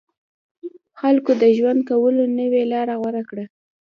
خلکو د ژوند کولو نوې لاره غوره کړه.